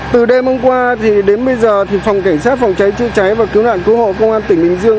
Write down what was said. từ đêm hôm qua thì đến bây giờ thì phòng cảnh sát phòng cháy chữa cháy và cứu nạn cứu hộ công an tỉnh bình dương